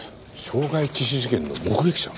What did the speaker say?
傷害致死事件の目撃者？